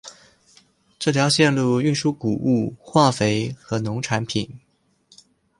这条线路运输谷物、化肥和农产品。